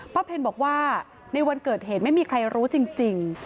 เพลบอกว่าในวันเกิดเหตุไม่มีใครรู้จริง